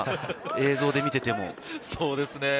映像で見ていても。